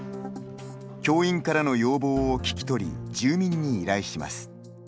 教員からの要望を聞き取り住民に依頼します。